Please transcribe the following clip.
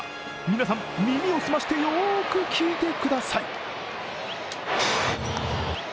皆さん、耳を澄ましてよく聞いてください。